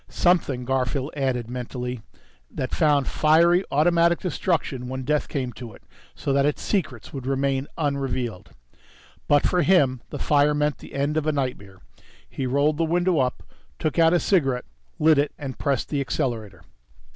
Something, Garfield added mentally, that found fiery automatic destruction when death came to it, so that its secrets would remain unrevealed. But for him the fire meant the end of a nightmare. He rolled the window up, took out a cigarette, lit it, and pressed the accelerator....